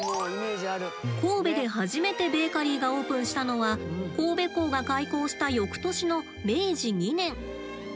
神戸で初めてベーカリーがオープンしたのは神戸港が開港した翌年の明治２年。